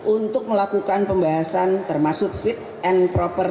untuk melakukan pembahasan termasuk fit and proper